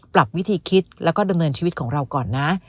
ปรับวิธีคิดแล้วก็ดำเนินชีวิตของเราก่อนนะ